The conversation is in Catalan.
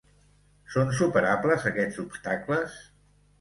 Són superables aquests obstacles?